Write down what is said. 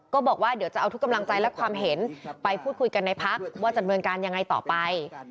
บอกว่าเดี๋ยวจะเอาทุกกำลังใจและความเห็นไปพูดคุยกันในพักว่าจะดำเนินการยังไงต่อไป